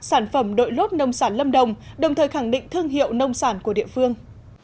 sản phẩm đội lốt nông sản lâm đồng đồng thời khẳng định thương hiệu nông sản của địa phương